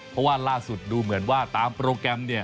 เพราะว่าล่าสุดดูเหมือนว่าตามโปรแกรมเนี่ย